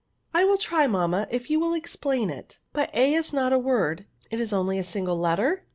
''I will try, mamma, if you will explain it ; but a is not a word ; it is only a single letter?"